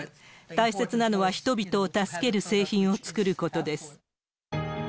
大切なのは、人々を助ける製品を作ることです。